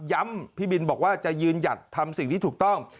พี่บินบอกว่าจะยืนหยัดทำสิ่งที่ถูกต้อง